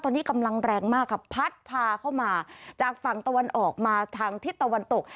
ตอนนี้กำลังแรงมากค่ะพัดพาเข้ามาจากฝั่งตะวันออกมาทางทิศตะวันตก